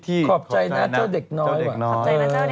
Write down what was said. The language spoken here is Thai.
ขอบใจนะเจ้าเด็กน้อยว่ะ